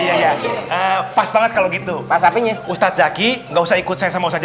iya ya pas banget kalau gitu pas tapi ustadz zaki nggak usah ikut saya sama saja